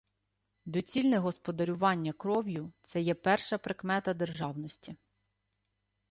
Доцільне господарювання кров'ю — це є перша прикмета державності…